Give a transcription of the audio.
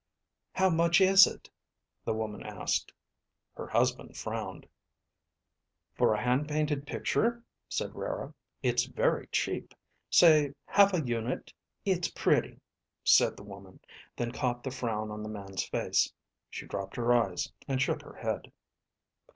"How much is it?" the woman asked. Her husband frowned. "For a hand painted picture," said Rara, "it's very cheap. Say, half a unit?" "It's pretty," said the woman, then caught the frown on the man's face. She dropped her eyes and shook her head.